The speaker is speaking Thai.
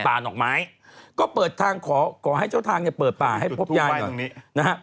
ดอกไม้ก็เปิดทางขอขอให้เจ้าทางเนี่ยเปิดป่าให้พบยายหน่อยนะฮะ